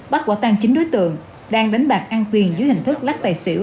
bắt quả tăng chính đối tượng đang đánh bạc an tuyền dưới hình thức lát tài xỉu